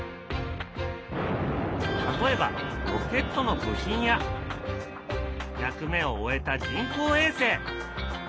例えばロケットの部品や役目を終えた人工衛星。